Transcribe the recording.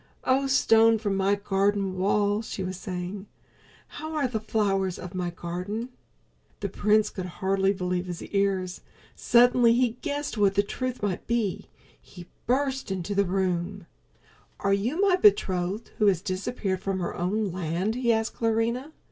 "Oh, stone from my garden wall," she was saying. "How are the flowers of my garden?" [Illustration: "Oh, stone from my garden wall," she was saying] The prince could hardly believe his ears. Suddenly he guessed what the truth might be. He burst into the room. "Are you my betrothed who has disappeared from her own land?" he asked Clarinha.